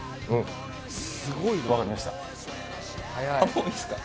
もういいですか？